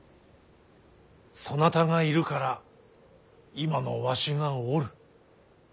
そなたがいるから今のわしがおる。